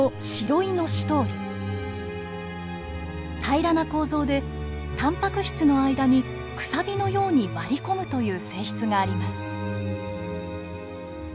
平らな構造でたんぱく質の間にくさびのように割り込むという性質があります。